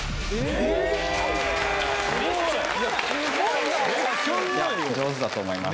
いや上手だと思います